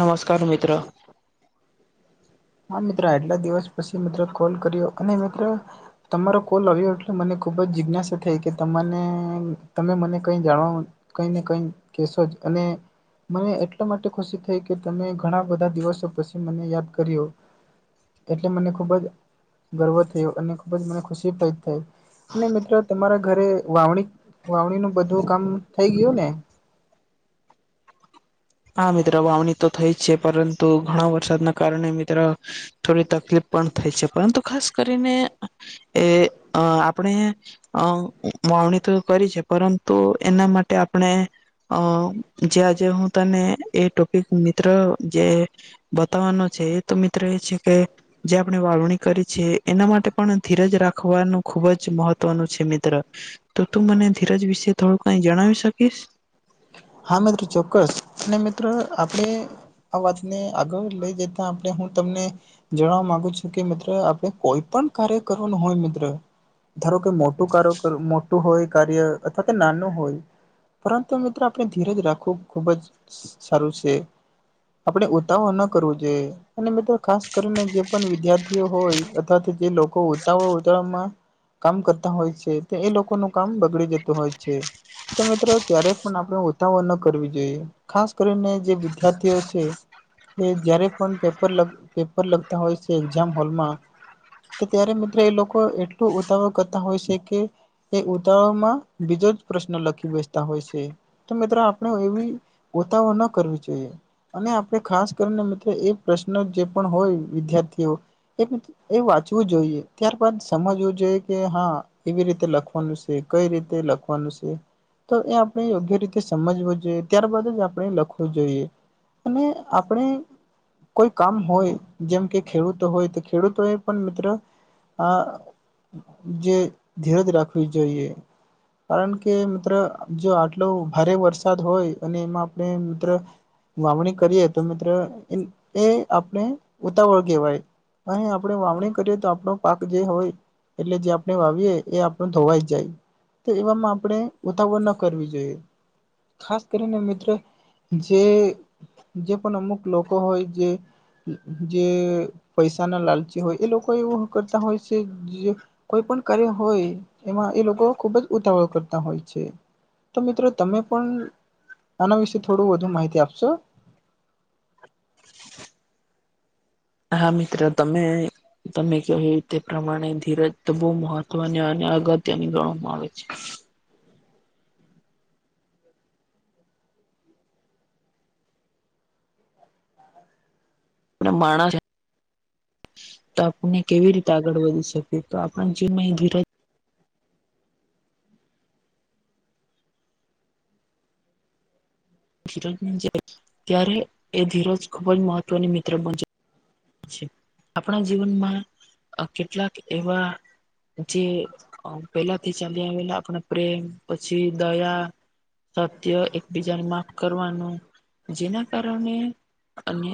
નમસ્કાર મિત્ર હા મિત્રો આટલા દિવસ પછી મિત્રો કોલ કર્યો અને મિત્રો તમારો કોલ આવ્યો એટલે મને ખુબ જ જિજ્ઞાસા થઈ કેને તમે મને કઈ જાણવા કઈ ને કઈ કેશો જ અને મને એટલા માટે ખુશી થઈ કે તમે ઘણા બધા દિવસો પછી મને યાદ કર્યો એટલે મને ખૂબ જ ગર્વ થયું અને ખૂબ જ મને ખુશીદ થઈ ને મિત્રો તમારા ઘરે વાવણી વાવણી નું બધું કામ થઈ ગયું ને હા મિત્રો વાવણી તો થઈ જ છે પરંતુ ઘણા વરસાદના કારણે મિત્ર થોડી તકલીફ પણ થાય છે પરંતુ ખાસ કરીને એ અ આપણે અ વાવણી તો કરી છે પરંતુ એના માટે આપણે અ જેજે હું તને એ મિત્ર જે બતાવાનો છે એ તો મિત્ર એ છે કે જે આપણે વાવણી કરી છેએ એના માટે પણ ધીરજ રાખવાનું ખુબ જ મહત્વનું છે મિત્ર તો તું મને ધીરજ વિશે થોડું કઈ જણાવી શકીશ હા મિત્રો ચોક્કસ અને મિત્રો આપણે આ વાતને આગળ લઈ જતા આપણે હું તમને જણવા માંગુ છું કે મિત્ર આપણે કોઈ પણ કાર્ય કરવાનું હોય મિત્ર ધારો કે મોટું કાર મોટું હોય કાર્ય અથવા તો નાનું હોય પરંતુ અ આપણે ધીરેજ રાખવું ખુબ જ સારું છે આપડણે ઉતાવળ ન કરવો જોઈએ અને મિત્રો ખાસ કરીને જે પણ વિદ્યાર્થીઓ હોય અથવા તો જે લોકો ઉતાવળ ઉતાળમાં કામ કરતા હોય છે તો એ લોકોનું કામ બગડી જતું હોય છે તો મિત્રો ક્યારેક પણ આપણે ઉતાળ ન કરવી જોઈએ ખાસ કરીને જે વિદ્યાર્થીઓ છે કે જયારે પણ પેપર પેપર લગતા હોય છે એક્ઝામ હોલમાં તો ત્યારે મિત્રો એ લોકો એટલું ઉતાવળ કરતા હોય છે કે એ ઉતારો માં બીજો જ પ્રશ્ન લખી બેસતા હોય છે તો મિત્રો આપણે એવી ગોતાવો ન કરવી જોઈએ. અને આપણે ખાસ કરીને મિત્રો એ પ્રશ્ન જે પણ હોય વિદ્યાર્થીઓ એક એ વાંચવું જોઈએ ત્યારબાદ સમજવું જોઈએ કે હા કેવી રીતે લખવાનું છે કઈ રીતે લખવાનું છે તો એ આપણે યોગ્ય રીતે સમજવું જોઈએ ત્યારબાદ જ આપણે લખવું જોઈએ અને આપણે કોઈ કામ હોય જેમ કે ખેડૂતો હોય તો ખેડૂતો એ પણ મિત્ર હા. જે ધીરજ રાખવી જોઈએ કારણ કે મિત્ર જો આ એટલો ભારે વરસાદ હોય અને એમાં આપણે મિત્ર વાવણી કરીએ તો મિત્ર એ આપણે ઉતાવળ કહેવાય અ આપણેે વાવણી કરીએ તો આપણો પાક જે હોય એટલે જે આપણે વાવીએ એ આપણ ધોવાઈ જ જાય તો એવામાં આપણે ઉતાવળ ન કરવી જોઈએ. ખાસ કરીને મિત્ર જે. જે પણ અમુક લોકો હોય જે જે પૈસાના લાલચી હોય એ લોકો એવું કરતા હોય છે જે કોઈ પણ કાર્ય હોય એમાં એ લોકો ખુબ જ ઉતાવળો કરતા હોય છે. તો મિત્રો તમે પણ આના વિશે થોડું વધુ માહિતી આપશો હા મિત્ર તમે તમે કહ તે પ્રમાણે ધીરજ બહુ મહત્વની અને અગત્યની ગણવામાં આવે છે માણા. તો આપને કેવી રીતે આગળ વધી શકીએ તો આપણ જેવ ધરા ધીરજ બની ત્યારે એ ધીરજ ખુબ જ મહત્વની મિત્ર બન આપણા જીવનમાં કેટલાક એવા જે પેલા થી ચાલી આવેલા આપણે પ્રેમ પછી દયા સત્ય એકબીજાને માફ કરવાનું જેના કારણે અને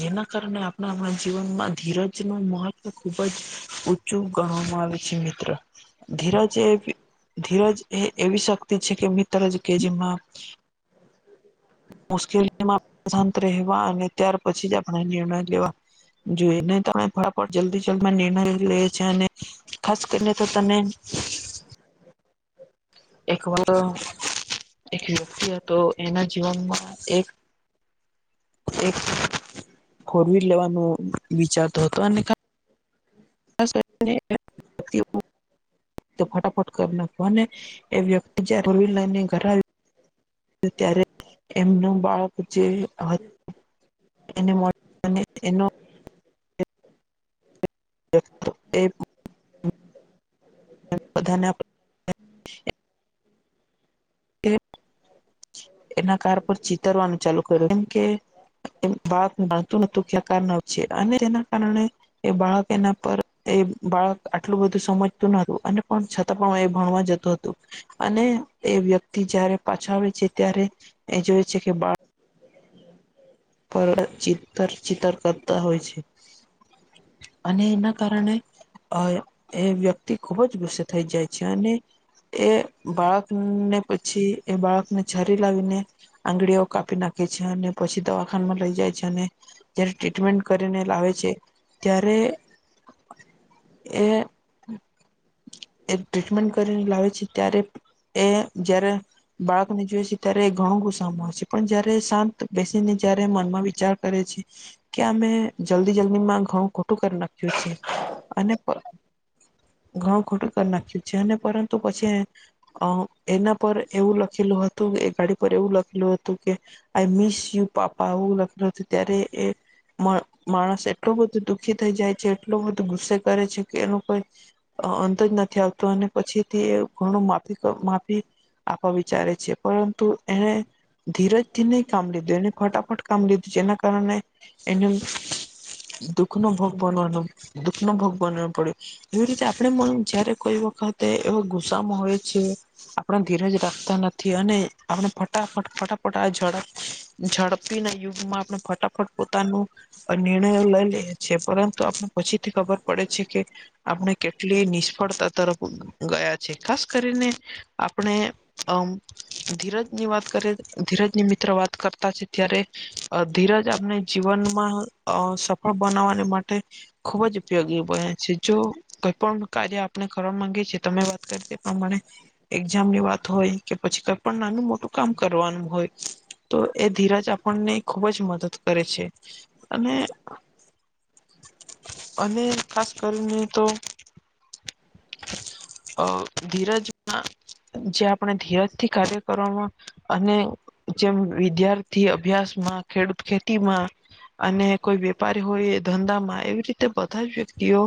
જેના કારણે આપણારા જીવનમાં ધીરજ નું મહત્વ ખુબ જ ઊચું ગણવામાં આવે છે મિત્ર. ધીરજ એવી ધીરજ એ એવી શક્તિ છે કે મિત્રજ કે જેમાં કે શંત રહેવા અને ત્યાર પછી જ આપણે નિર્ણય લેવા જોઈએ નહી તો આપ ફળફ જલ્દી જલ્દીમાં નિર્ણય લે છ છે અને ખાસ કરીને તો તમે એક વ એક વ્યક્તિ હતો એના જીવનમાં એક એક ફોર વ્લ લેવાનો વિચારતો હતો અને ું ફટાફટ કરી નાને એ વ્યક્તિ જ રોવિલાની ઘર આવી ત્યારે એમનું બાળક જે હતું એને એનો એક એ બધાને આપ એના કાર પર ચતરવાનું ચાલુ કરે કેમ કે એ વાત માનતું નતું ખકારના છે અને તેના કારણે એ બાળક એના પર એ બાળક આટલું બધું સમજતું નતું અને પણ છતાં પણ એ ભણવા જતું અને એ વ્યક્તિ જયારે પાછા આવે છે ત્યારે એ જોવે છે કે બાળ પર ચિત્ર ચિત્ર કરતા હોય છે અને એના કારણે અ એ વ્યક્તિ ખુબ જ ગુસ્સે થઈ જાય છે અને એ બાળકને પછી એ બાળકને ઝારી લાવીને આંગળીઓ કાપી નાખે છે અને પછી દવા માં લઈ જાય છે અને જયારે ટ્રીટમેન્ટ કરીને લાવે છે ત્યારે એ એ ટ્રીટમેન્ટ કરીને લાવે છે ત્યારે એ જયારે બાળકને જોય છે ત્યારે ઘણું ગુસામાં આવશે પણ જયારે શાંત બે જયારે મન માં વિચાર કરે છે કે અમે જલ્દી જલ્દી માં ઘણું ખોટું કરી નાખ્યું છે અને ઘણું ખોટું કરી નાખ્યું છે અને પરંતુ પછી અ એના પર એવું લખેલું હતું એ ગાડી પર એવું લખેલું હતું કે આઈ મિસ યુ પાપા એવું લગ્ન હતું ત્યારે એ માણસ એટલો બધો દુઃખી થઈ જાય છે એટલો બધો ગુસ્સે કરે છે કે એ લોકો કોઈ અંત જ નથી આવતું અને પછીથી ઘણું માફી માફી આપવા વિચારે છે પરંતુ એને ધીરજથી નહી કામ લીધું એને ફટાફટ કામ લીધું જેના કારણે એને દુખ નો ભોગ બનવાનો દુઃખ નો ભોગ બનો પડ્યો એવી રીતે આપડે જયારે કોઈ વખતે એવા ગુસામ હોય છે આપણે ધીરજ રાખતા નથી અને આપણે ફટાફટ ફટાફટ આ ઝડપ ઝડપી ના યુગમાં આપણે ફટાફટ પોતાનું નિર્ણયો લઈ લેએ છે પરંતુ આપને પછી થી ખબર પડે છે કે આપણે કેટલી નિષ્ફળતા તરફ ગયા છે ખાસ કરીને આપણે અમ ધીરજ ની વાત કરીએ ધીરજની મિત્ર વાત કરતા છે ત્યારે ધીરજ આપમને જીવનમાં અ સફળ બનાવવાની માટે ખુબ જ ઉપયોગી બને છે જો કોઈ પણ કાર્ય ને કરવા માંગે છે તમે વાત કરી એ પ્રમાણે એક્ઝામ ની વાત હોય કે પછી કઈ પણ નાનું મોટું કામ કરવાનું હોય તો એ ધીરજ આપણને ખૂબ જ મદદ કરે છે અને અને ખાસ કરીને તો અ ધીરજમાં જે આપણે ધીરજથી કાર્ય કરવામાં અને જેમ વિદ્યાર્થી અભ્યાસમાં ખેડૂત ખેતીમાં અને કોઈ વેપારી હોય ધંધા માં એવી રીતે બધા જ વ્યક્તિઓ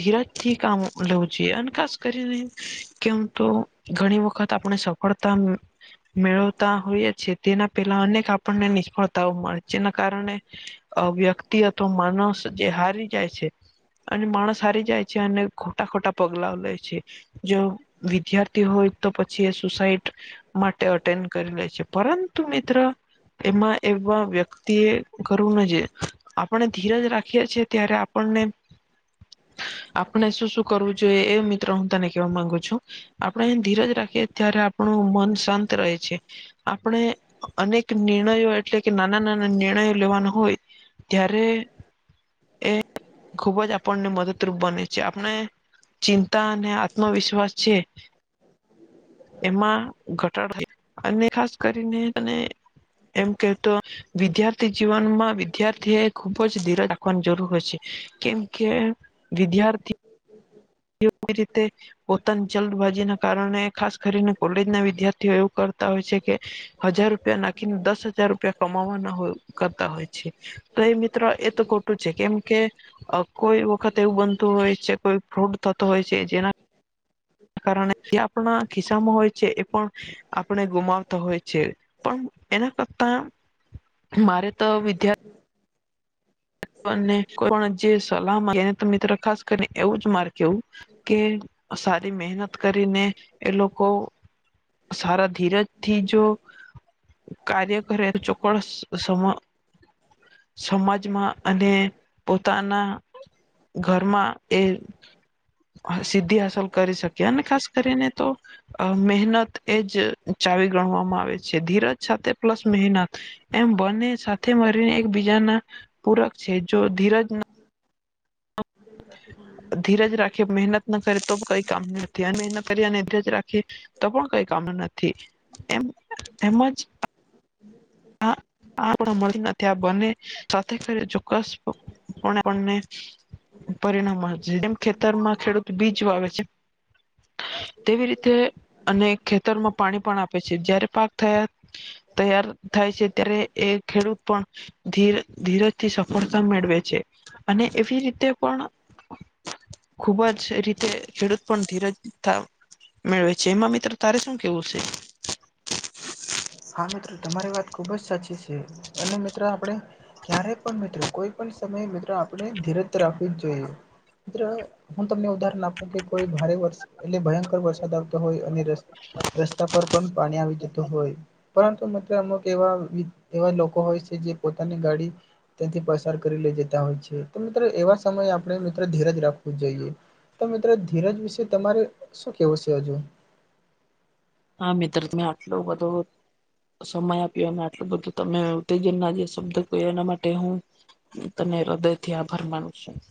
ધીરાજ કામ લેવું જોઈએ અને ખાસ કરીને કેમ તો ઘણી વખત આપણે સફળતા મેળવતા હોઈએ છેએ તેના પેલા અનેક આપણને નિષ્ફળતાઓ મળે જેના કારણે વ્યક્તિ અથવા માણસ જે હારી જાય છે અને માણસ હારી જાય છે અને ખોટા ખોટા પગલાઓ લે છે જો વિદ્યાર્થી હોય તો પછી એ સુસાઈડ માટે અટેન્ડ કરી લે છે પરંતુ મિત્ર એમાં એવા વ્યક્તિ એ કરું નથી આપણે ધીરજ રાખીએ છીએ ત્યારે આપણને આપણે શું શું કરવું જોઈએ એ મિત્રો હું તને કેવા માંગુ છું આપડે અ ધીરજ રાખીએ ત્યારે પણ મન શાંત રહે છે આપણે અનેક નિર્ણયો એટલે કે નાના નાના નિર્ણયો લેવાના હોય ત્યારે એ ખુબ જ આપણને મદદરૂપ બને છે જે આપણે ચિંતા અને આત્મવિશ્વાસ છે એમાં ઘટાડ થ અને ખાસ કરીને અને એમ કે તો વિદ્યાર્થી જીવનમાં વિદ્યાર્થી એ ખુબ જ ધીરજ રાખવાની જરૂર હોય છે. કેમ કે વિદ્યાર્થી રીતે પોતાની જલ્દબાજી ના કારણે ખાસ કરીને કોલેજ ના વિદ્યાર્થીઓ એવું હોય છે કે હજાર રૂપિયા નાખીને દસ હજાર રૂપિયા કમાવાના હો કરતા હોય છે તો એ મિત્ર એ તો ખોટું છે કેમ કે કોઈ વખત એવું બનતું હોય છે કોઈ ફ્રોટ થતો હોય છે જેના કારણે જે આપણા ખિસ્સામાં હોય છે એ પણ આપણે ગુમાવતા હોય છે પણ એના કરતા મારે તો વિદ્યા કોઈ પણ જે સલાહ એને તો મિત્રો ખાસ કરીને એવું જ માર કેવું કે સારી મહેનત કરીને એ લોકો સારા ધીરજથી જો કાર્ય કરે તો ચોક્કસ સમ સમાજમાં અને પોતાના ઘરમાં એ સિદ્ધિ હાંસલ કરી શકી અને ખાસ કરીને તો અ મહેનત એજ ચાવી ગણવામાં આવે છે ધીરજ સાથે પ્લસ મહેનત એમ બંને સાથે મળીને એક બીજા ના પૂરક છે જો ધીરજ ધીરજ રાખે મહેનત ન કરે તો કંઈ કામ નથી અને કરી ધીરજ રાખીએ તો પણ કઈ કામનુ નથી. એમ એમજ આ મળીને ત્યાં બને સાથે કર ચોક્કસ આપને પરિણામ મળ છે જેમ ખેતરમાં ખેડૂત બીજ વાવે છે. તેવી રીતે અને ખેતરમાં પાણી પણ આપે છે જયારે પાક થયા તૈયાર થાય છે ત્યારે એ ખેડૂત પણ ધ ધીરજથી સફળતા મેળવે છે. અને એવી રીતે પણ ખુબ જ એ રીતે ખેડૂત પણ ધીરજ તા મેળવે છે, એમાં મિત્ર, તારે શું કેવું છે? હા મિત્રો, તમારી વાત ખુબ જ સાચી છે. અને મિત્ર, આપણે ક્યારે પણ, મિત્ર, કોઈ પણ સમયે મિત્ર, આપણે ધીરજ રાખવી જ જોઈએ, મિત્ર. હું તમને ઉદાહરણ આપું કે કોઈ ભારે વર્ષ એટલે ભયંકર વરસાદ આવતો હોય અને રસ્તા પર પણ પાણી આવી જતું હોય. પરંતુ મિત્ર, અમુક એવા એવા લોકો હોય છે, જે પોતાની ગાડી ત્યાંથી પસાર કરી લઈ જતા હોય છે, તો મિત્ર, એવા સમયે આપણે, મિત્ર, ધીરજ રાખવું જોઈએ. તો મિત્ર, ધીરજ વિશે તમારે શું કેવું છે હજુ? હા મિત્ર, તમે આટલો બધો. સમય આપ્યો, આટલું બધું તમે ઉત્તેજન ના જે શબ્દ કહ્યા, એના માટે હું હુ તમને હૃદયથી આભાર માનું છું.